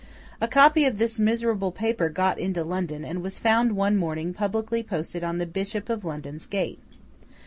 A copy of this miserable paper got into London, and was found one morning publicly posted on the Bishop of London's gate.